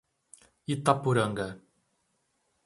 Itapuranga